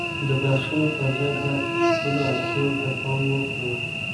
د بحثونو پر ځای باید خپلو اړتياوو ته پام وکړو.